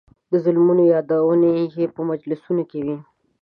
د ظلمونو یادونې یې په مجلسونو کې وې.